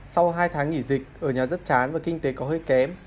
sau hai tháng nghỉ dịch ở nhà rất chán và kinh tế có hơi kém